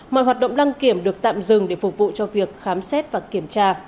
mọi hoạt động đăng kiểm được tạm dừng để phục vụ cho việc khám xét và kiểm tra